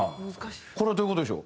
これはどういう事でしょう？